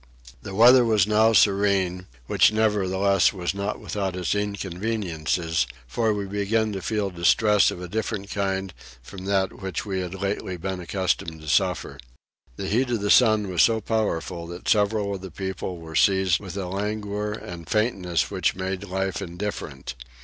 The weather was now serene, which nevertheless was not without its inconveniences, for we began to feel distress of a different kind from that which we had lately been accustomed to suffer. The heat of the sun was so powerful that several of the people were seized with a languor and faintness which made life indifferent.